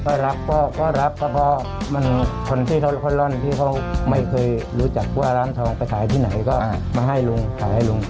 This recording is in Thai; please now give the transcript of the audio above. ก็รับก็รับก็เพราะมันคนที่ร่อนที่เขาไม่เคยรู้จักว่าร้านทองไปขายที่ไหนก็มาให้ลุงขายให้ลุง